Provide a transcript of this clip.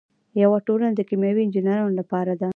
یوه ټولنه د کیمیاوي انجینرانو لپاره ده.